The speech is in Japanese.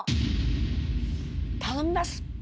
頼みます！